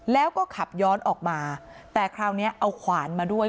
แล้วก็ขับย้อนออกมาแต่คราวนี้เอาขวานมาด้วย